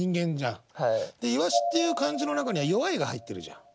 「鰯」っていう漢字の中には「弱い」が入ってるじゃん。